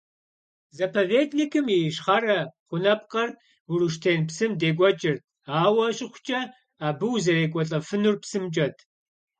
Заповедникым и ищхъэрэ гъунапкъэр Уруштен псым декӀуэкӀырт, ауэ щыхъукӀэ абы узэрекӀуэлӀэфынур псымкӀэт.